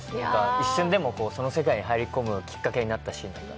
一瞬でもその世界に入り込むきっかけになって。